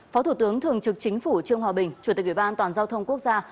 phó thủ tướng thường trực chính phủ trương hòa bình chủ tịch ủy ban an toàn giao thông quốc gia